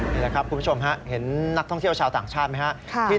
นี่แหละครับคุณผู้ชมฮะเห็นนักท่องเที่ยวชาวต่างชาติไหมครับ